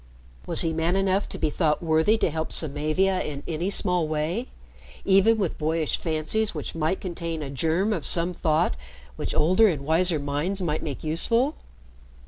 Was he man enough to be thought worthy to help Samavia in any small way even with boyish fancies which might contain a germ of some thought which older and wiser minds might make useful?